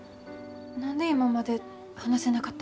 何で今まで話せなかったわけ？